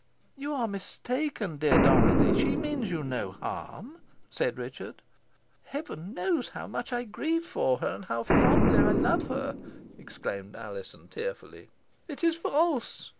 "You are mistaken, dear Dorothy. She means you no harm," said Richard. "Heaven knows how much I grieve for her, and how fondly I love her!" exclaimed Alizon, tearfully. "It is false!"